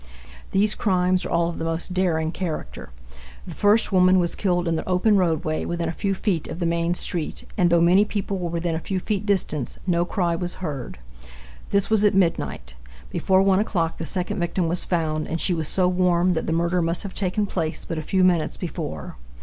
These crimes are all of the most daring character. The first woman was killed in the open roadway within a few feet of the main street, and though many people were within a few feet distance, no cry was heard. This was at midnight; before 1 o'clock the second victim was found, and she was so warm that the murder must have taken place but a few minutes before.